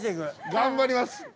頑張ります。